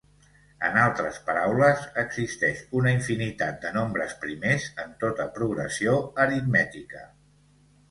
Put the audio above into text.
En altres paraules, existeix una infinitat de nombres primers en tota progressió aritmètica.